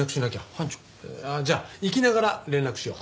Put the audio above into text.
班長？じゃあ行きながら連絡しよう。